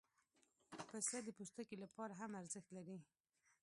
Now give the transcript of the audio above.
پسه د پوستکي لپاره هم ارزښت لري.